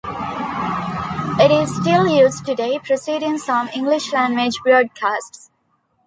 It is still used today preceding some English-language broadcasts.